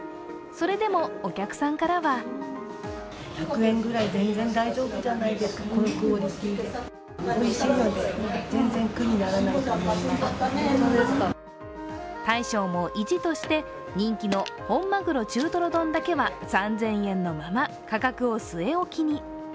それでも、お客さんからは大将も意地として人気の本まぐろ中とろ丼だけは３０００円のまま価格を据え置きに。